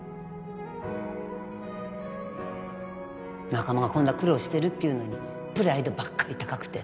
仲間がこんな苦労してるっていうのにプライドばっかり高くて。